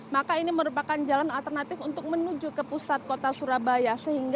maka ini merupakan jalan alternatif untuk menuju ke pusat kota surabaya